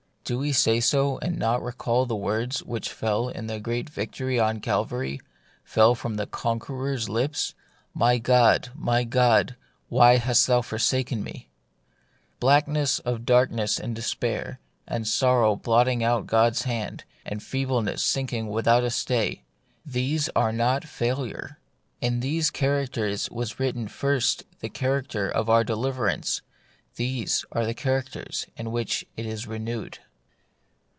Do we say so, and not recall the words which fell in that great victory on Calvary — fell from the Conqueror's lips, " My God, my God, why hast thou forsaken me ?" Blackness of dark ness and despair, and sorrow blotting out God's hand, and feebleness sinking without a stay, these are not failure. In these charac ters was written first the charter of our deli verance ; these are the characters in which it is renewed.